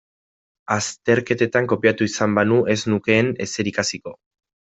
Azterketetan kopiatu izan banu ez nukeen ezer ikasiko.